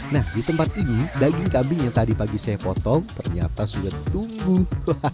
nah di tempat ini daging kambing yang tadi pagi saya potong ternyata sudah tumbuh